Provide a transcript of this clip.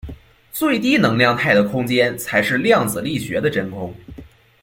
最低能量态的空间才是量子力学的真空。